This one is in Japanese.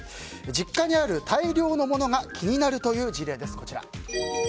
実家にある大量の物が気になるという事例です。